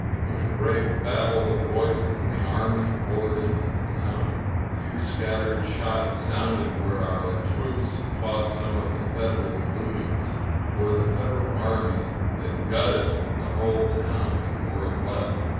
With a great babble of voices the army poured into the town. A few scattered shots sounded where our troops caught some of the Federals looting — for the Federal army had gutted the whole town before it left.